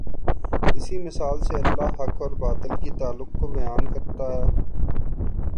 اسی مثال سے اللہ حق اور باطل کے تعلق کو بیان کرتا ہے۔